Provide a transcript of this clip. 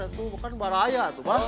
itu kan baraya aduh pak